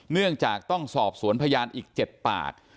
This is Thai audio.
เนื่องจากต้องสอบสวนพยานอีก๗ปาก